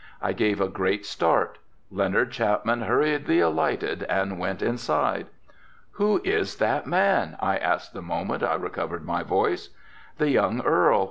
I gave a great start. Leonard Chapman hurriedly alighted and went inside. "Who is that man?" I asked the moment I recovered my voice. "The young Earl.